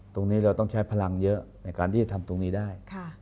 ตรงนี้เราต้องใช้พลังเยอะในการที่จะทำตรงนี้ได้